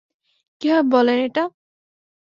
কিভাবে বললেন এটা?